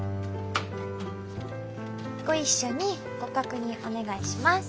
ご一緒にご確認お願いします。